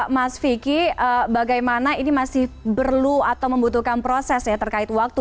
mas vicky bagaimana ini masih perlu atau membutuhkan proses ya terkait waktu